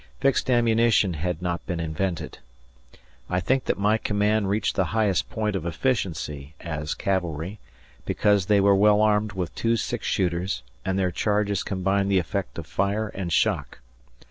Fixed ammunition had not been invented. I think that my command reached the highest point of efficiency as cavalry because they were well armed with two six shooters and their charges combined the effect of fire and shock.